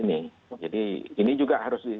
anak anaknya jadi ini juga harus